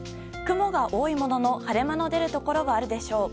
雲が多いものの、晴れ間の出るところはあるでしょう。